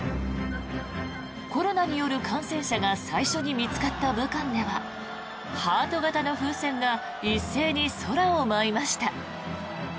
コロナによる感染者が最初に見つかった武漢ではハート形の風船が一斉に空を舞いました。